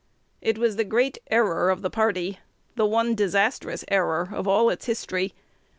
It was the great error of the party, the one disastrous error of all its history.